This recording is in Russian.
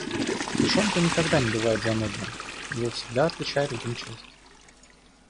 Уж он-то никогда не бывает занудным — его всегда отличает вдумчивость.